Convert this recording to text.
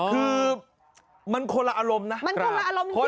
คือมันคนละอารมณ์นะมันคนละอารมณ์คน